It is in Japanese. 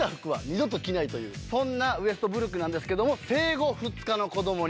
そんなウェストブルックなんですけども。